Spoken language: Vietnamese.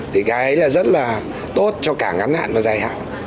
thì cái đấy là rất là tốt cho cả ngắn hạn và dài hạn